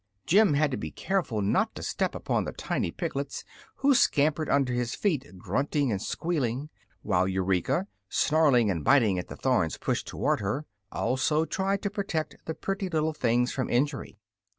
Jim had to be careful not to step upon the tiny piglets, who scampered under his feet grunting and squealing, while Eureka, snarling and biting at the thorns pushed toward her, also tried to protect the pretty little things from injury.